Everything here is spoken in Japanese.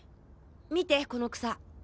見てこの草。